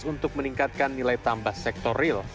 untuk meningkatkan nilai tambah sektor real